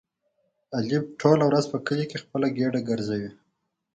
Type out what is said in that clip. علي ټوله ورځ په کلي خپله ګېډه ګرځوي.